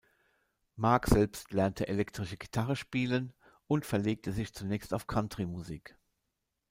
Mark selbst lernte elektrische Gitarre spielen und verlegte sich zunächst auf Country-Musik.